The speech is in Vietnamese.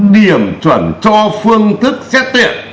điểm chuẩn cho phương thức xét tuyển